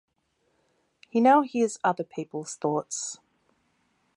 He now hears other people's thoughts.